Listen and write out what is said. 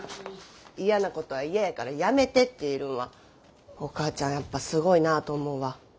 嫌なことは嫌やからやめてって言えるんはお母ちゃんやっぱすごいなと思うわ。